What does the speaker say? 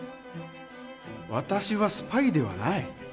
私はスパイではない。